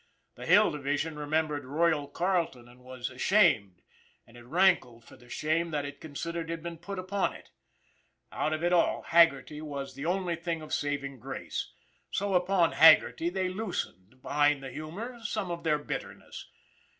The Hill Division remembered " Royal " Carleton and was ashamed, and it rankled for the shame that it considered had been put upon it. Out of it all, Haggerty was the only thing of saving grace! So upon Haggerty they loosened, behind the humor, some of their bitterness.